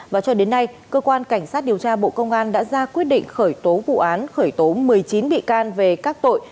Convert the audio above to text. và cho đến nay cơ quan cảnh sát điều tra bộ công an đã ra quyết định khởi tố vụ án khởi tố một mươi chín bị can về các tội